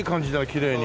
きれいに。